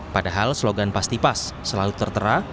padahal slogan pasti pas selalu tertera